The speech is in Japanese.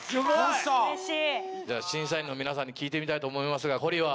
うれしい！審査員の皆さんに聞いてみたいと思いますがホリは？